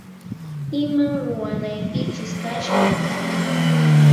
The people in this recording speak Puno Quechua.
Iman ruwanaykichis kashan?